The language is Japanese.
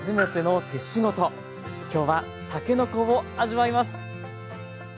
今日はたけのこを味わいます。